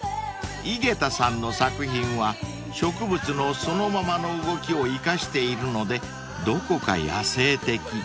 ［井桁さんの作品は植物のそのままの動きを生かしているのでどこか野性的］